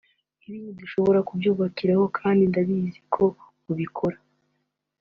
Ibi nidushobora kubyubahiriza kandi ndabizi ko mubikora